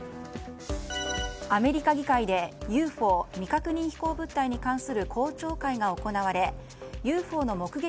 アメリカ議会でＵＦＯ・未確認飛行物体に関する公聴会が行われＵＦＯの目撃